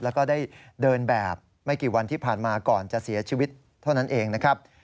แล้วก็ได้เดินแบบไม่กี่วันที่ผ่านมาก่อนจะเสียชีวิตเท่านั้นเองนะครับ